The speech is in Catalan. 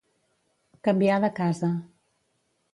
Canviar de casa.